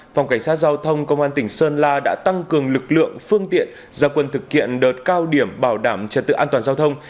phòng cảnh sát giao thông công an tỉnh sơn la đã tăng cường lực lượng phương tiện gia quân thực hiện đợt cao điểm bảo đảm trật tự an toàn giao thông